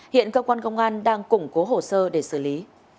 hiện cơ quan công an đang củng cố hồ sơ để xử lý